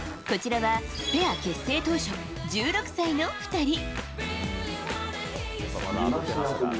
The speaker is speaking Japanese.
こちらはペア結成当初１６歳の２人。